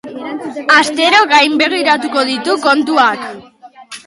Astero gainbegiratuko ditu kontuak.